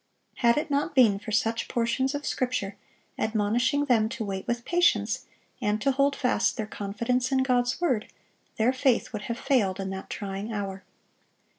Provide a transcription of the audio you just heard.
Had it not been for such portions of Scripture, admonishing them to wait with patience, and to hold fast their confidence in God's word, their faith would have failed in that trying hour.